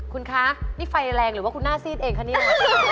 คุณคะนี่ไฟแรงหรือว่าคุณหน้าซีดเองคะเนี่ย